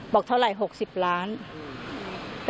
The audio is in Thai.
บอกเท่าไหร่๖๐ล้านบาท